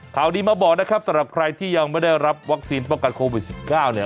ข่าวดีมาบอกนะครับสำหรับใครที่ยังไม่ได้รับวัคซีนป้องกันโควิด๑๙เนี่ย